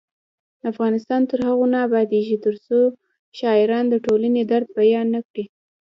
افغانستان تر هغو نه ابادیږي، ترڅو شاعران د ټولنې درد بیان نکړي.